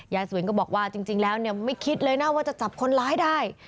สุวินก็บอกว่าจริงแล้วเนี่ยไม่คิดเลยนะว่าจะจับคนร้ายได้